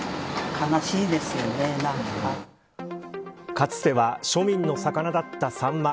かつては庶民の魚だったサンマ。